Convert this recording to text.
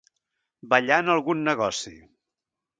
Ballar en algun negoci.